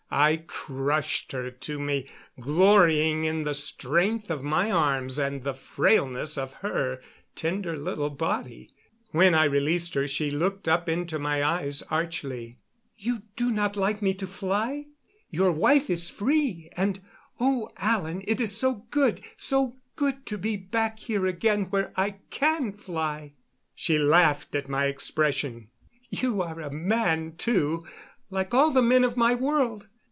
I crushed her to me, glorying in the strength of my arms and the frailness of her tender little body. When I released her she looked up into my eyes archly. "You do not like me to fly? Your wife is free and, oh, Alan, it is so good so good to be back here again where I can fly." She laughed at my expression. "You are a man, too like all the men of my world.